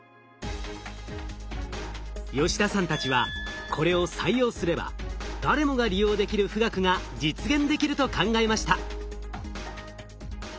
吉田さんたちはこれを採用すれば誰もが利用できる富岳が実現できると考えました。